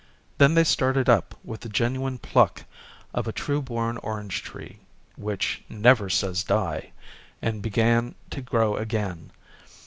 Then they started up with the genuine pluck of a true born orange tree, which never says die, and began to grow again.